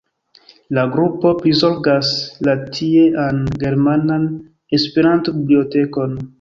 La grupo prizorgas la tiean Germanan Esperanto-Bibliotekon.